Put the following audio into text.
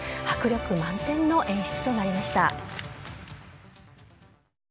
迫力満点の演出となりました。